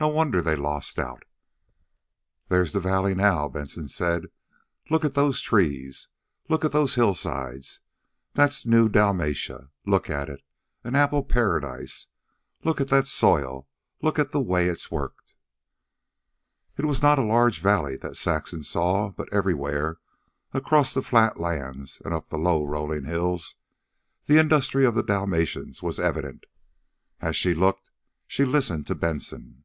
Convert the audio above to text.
No wonder they lost out." "There's the valley now," Benson said. "Look at those trees! Look at those hillsides! That's New Dalmatia. Look at it! An apple paradise! Look at that soil! Look at the way it's worked!" It was not a large valley that Saxon saw. But everywhere, across the flat lands and up the low rolling hills, the industry of the Dalmatians was evident. As she looked she listened to Benson.